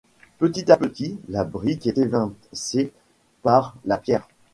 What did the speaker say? Petit à petit, la brique est évincée par la pierre.